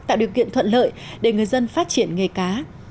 tạo điều kiện thuận lợi để người dân phát triển nghề cá